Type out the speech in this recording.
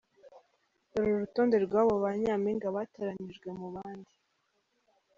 Dore urutonde rwabo ba nyampinga batoranijwe mu bandi.